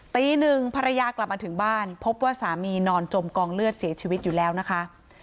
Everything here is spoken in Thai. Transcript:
ตีหนึ่งภรรยากลับมาถึงบ้านพบว่าสามีนอนจมกองเลือดเสียชีวิตอยู่แล้วนะคะ